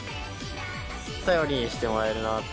頼りにしてもらえるなとか。